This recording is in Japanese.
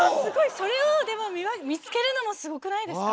それをでも見つけるのもすごくないですか。